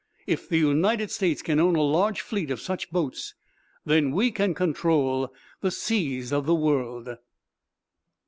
If the United States can own a large fleet of such boats, then we can control the seas of the world."